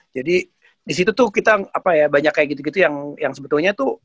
jadi disitu tuh kita apa ya banyak kayak gitu gitu yang sebetulnya tuh